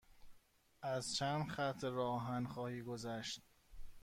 از چند خط راه آهن خواهی گذشت.